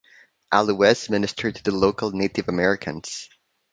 Allouez ministered to the local Native Americans.